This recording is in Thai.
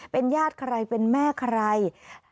เป็นญาติใครเป็นแม่ใคร